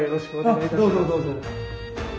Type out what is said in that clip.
あっどうぞどうぞ。